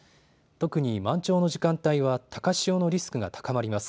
特に満潮の時間帯は高潮のリスクが高まります。